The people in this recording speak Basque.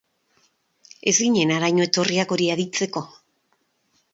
Ez ginen haraino etorriak hori aditzeko.